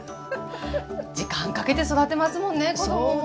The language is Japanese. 時間かけて育てますもんね子どもも。